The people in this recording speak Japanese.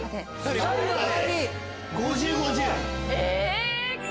え！